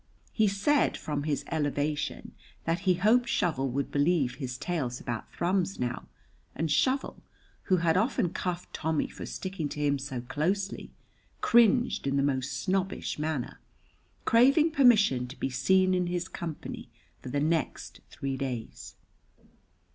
He said from his elevation that he hoped Shovel would believe his tales about Thrums now, and Shovel, who had often cuffed Tommy for sticking to him so closely, cringed in the most snobbish manner, craving permission to be seen in his company for the next three days.